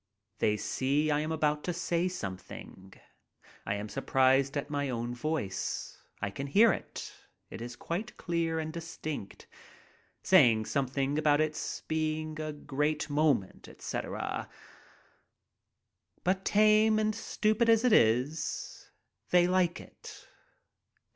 They see I am about to say something. I am surprised at my own voice. I can hear it. It is quite clear and distinct, saying something about its being a great moment, etc. But tame and stupid as it is, they like it.